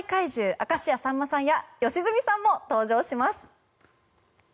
明石家さんまさんや良純さんも登場します。